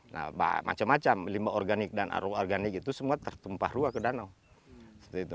nah macam macam limbah organik dan arung organik itu semua tertumpah ruah ke danau